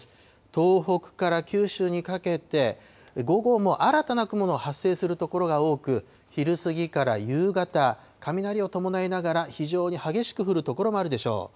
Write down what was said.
東北から九州にかけて、午後も新たな雲の発生する所が多く、昼過ぎから夕方、雷を伴いながら、非常に激しく降る所もあるでしょう。